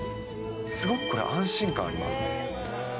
すごくこれ、安心感あります。